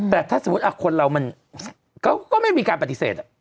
แต่ถ้าสมมุติคนเรามันก็ไม่มีการปฏิเสธ